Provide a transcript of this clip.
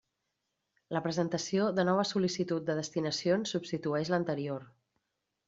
La presentació de nova sol·licitud de destinacions substitueix l'anterior.